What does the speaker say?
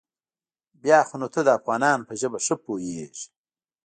بيا خو نو ته د افغانانو په ژبه ښه پوېېږې.